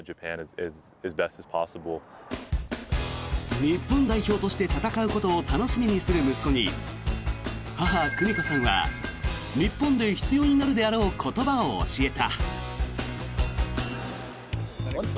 日本代表として戦うことを楽しみにする息子に母・久美子さんは日本で必要になるであろう言葉を教えた。